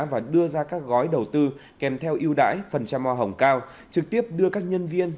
và đưa ra các gói đầu tư kèm theo yêu đãi phần trăm hoa hồng cao trực tiếp đưa các nhân viên